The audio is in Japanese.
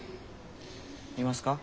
いますか？